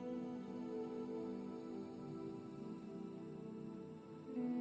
untuk segi mereka sudah lama sekali saya mengatasi dis chegar datang ke hor quartz